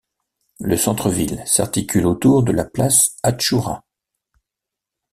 Le centre-ville s'articule autour de la place Achoura.